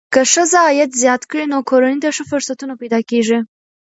که ښځه عاید زیات کړي، نو کورنۍ ته ښه فرصتونه پیدا کېږي.